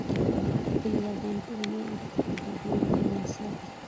کلي د افغان کورنیو د دودونو مهم عنصر دی.